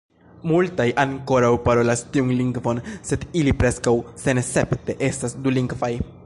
Multaj ankoraŭ parolas tiun lingvon, sed ili preskaŭ senescepte estas dulingvaj.